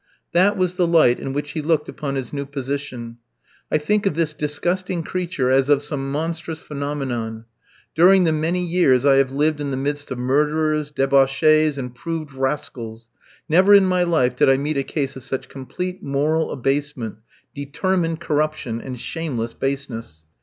That was the light in which he looked upon his new position. I think of this disgusting creature as of some monstrous phenomenon. During the many years I have lived in the midst of murderers, debauchees, and proved rascals, never in my life did I meet a case of such complete moral abasement, determined corruption, and shameless baseness.